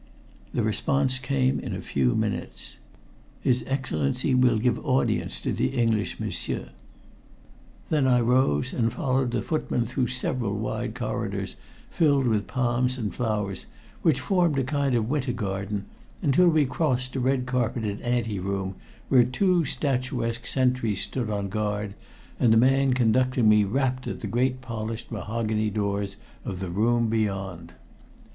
The response came in a few minutes. "His Excellency will give audience to the English m'sieur." Then I rose and followed the footman through several wide corridors filled with palms and flowers, which formed a kind of winter garden, until we crossed a red carpeted ante room, where two statuesque sentries stood on guard, and the man conducting me rapped at the great polished mahogany doors of the room beyond.